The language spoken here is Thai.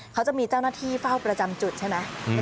เขาจะมีเจ้าหน้าที่เฝ้าประจำจุดใช่ไหม